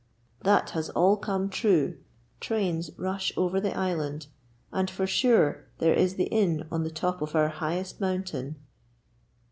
That has all come true; trains rush over the island and, for sure, there is the inn on the top of our highest mountain.